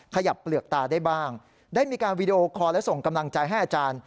ขยับเปลือกตาได้บ้างได้มีการวีดีโอคอร์และส่งกำลังใจให้อาจารย์